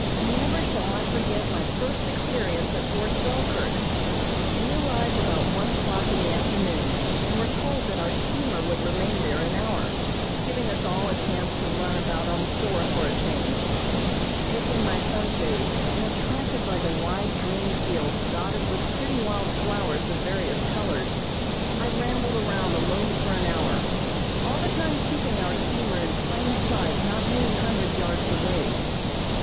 Never shall I forget my first experience at Fort Selkirk. We arrived about one o'clock in the afternoon and were told that our steamer would remain there an hour, giving us all a chance to run about on shore for a change. Taking my sunshade, and attracted by the wide green fields dotted with pretty wild flowers of various colors, I rambled around alone for an hour, all the time keeping our steamer in plain sight not many hundred yards away.